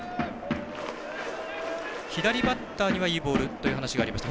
左バッターにはいいボールという話がありました。